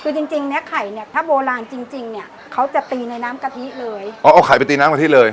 คือจริงจริงเนี้ยไข่เนี้ยถ้าโบราณจริงจริงเนี่ยเขาจะตีในน้ำกะทิเลยอ๋อเอาไข่ไปตีน้ำกะทิเลย